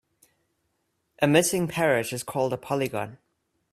A missing parrot is called a polygon.